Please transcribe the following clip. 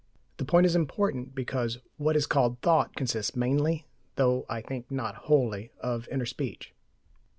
The point is important, because what is called "thought" consists mainly (though I think not wholly) of inner speech.